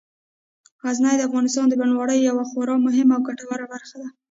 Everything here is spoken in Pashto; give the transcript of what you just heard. غزني د افغانستان د بڼوالۍ یوه خورا مهمه او ګټوره برخه ده.